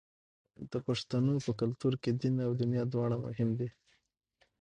د پښتنو په کلتور کې دین او دنیا دواړه مهم دي.